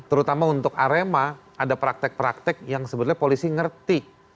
terutama untuk arema ada praktek praktek yang sebenarnya polisi ngerti